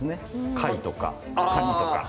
貝とかカニとか。